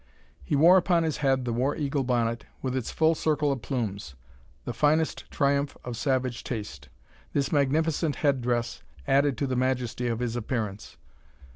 He wore upon his head the war eagle bonnet, with its full circle of plumes: the finest triumph of savage taste. This magnificent head dress added to the majesty of his appearance.